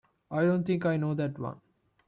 I don't think I know that one.